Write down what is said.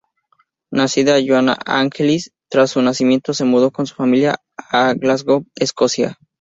Nacida "Joanna Angelis", tras su nacimiento se mudó con su familia a Glasgow, Escocia.